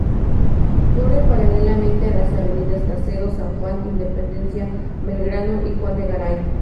Corre paralelamente a las avenidas Caseros, San Juan; Independencia, Belgrano y Juan de Garay.